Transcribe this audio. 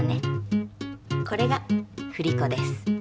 これが振り子です。